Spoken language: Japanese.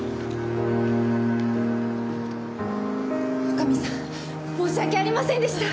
女将さん申し訳ありませんでした！